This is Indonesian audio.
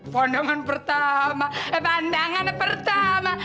pandangan pertama pandangan pertama